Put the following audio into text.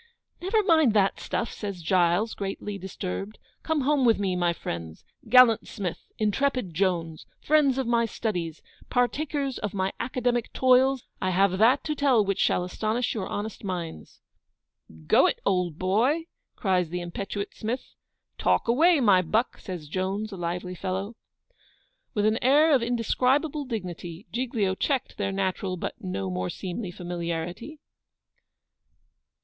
'Never mind that stuff,' says GILES, greatly disturbed. 'Come home with me, my friends. Gallant Smith! intrepid Jones! friends of my studies partakers of my academic toils I have that to tell which shall astonish your honest minds.' 'Go it, old boy!' cries the impetuous Smith. 'Talk away, my buck!' says Jones, a lively fellow. With an air of indescribable dignity, Giglio checked their natural, but no more seemly, familiarity.